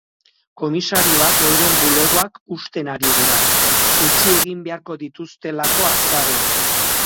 Komisarioak euren bulegoak husten ari dira, utzi egin beharko dituztelako azaroan.